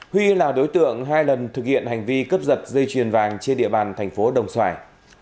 huy là đối tượng hai lần thực hiện hành vi cướp giật dây chuyền vàng trên địa bàn thành phố đồng xoài